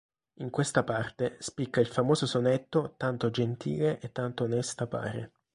In questa parte spicca il famoso sonetto "Tanto gentile e tanto onesta pare".